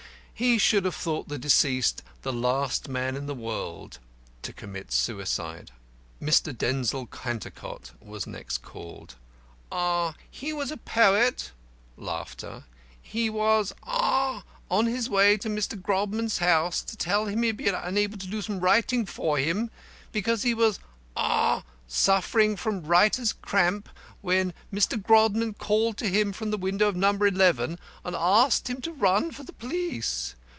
He should have thought the deceased the last man in the world to commit suicide. Mr. DENZIL CANTERCOT was next called: He was a poet. He was on his way to Mr. Grodman's house to tell him he had been unable to do some writing for him because he was suffering from writer's cramp, when Mr. Grodman called to him from the window of No. 11 and asked him to run for the police.